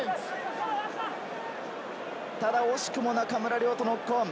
ただ惜しくも中村亮土ノックオン。